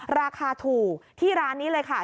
ราคาถูกที่ร้านนี้เลยค่ะ